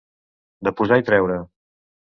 De posar i treure.